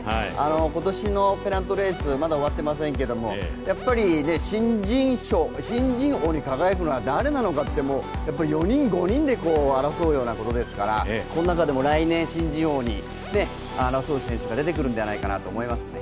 今年のペナントレース、まだ終わっていませんけど、やっぱり新人王に輝くのは誰なのかって４人、５人で争うようなことですから、この中でも来年、新人王を争う選手が出てくるんじゃないかなと思いますね。